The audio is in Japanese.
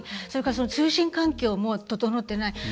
それから通信環境も整ってない。